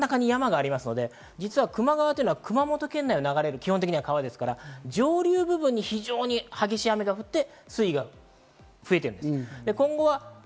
九州は真ん中に山がありますので、実は球磨川っていうのは熊本県内を流れる川ですから上流部分に非常に激しい雨が降って、水位が増えてるんです。